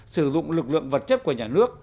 sử dụng lực lượng vật chất của nhà nước